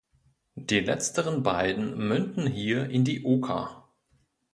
Die letzteren beiden münden hier in die Oker.